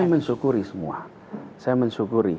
saya mensyukuri semua